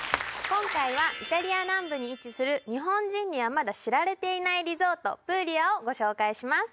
今回はイタリア南部に位置する日本人にはまだ知られていないリゾートプーリアをご紹介します